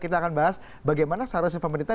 kita akan bahas bagaimana seharusnya pemerintah